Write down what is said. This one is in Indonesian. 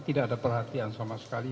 tidak ada perhatian sama sekali